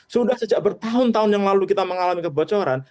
sudah sejak bertahun tahun yang lalu kita mengalami kebocoran